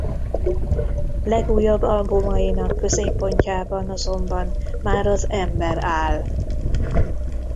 Legújabb albumainak középpontjában azonban már az ember áll.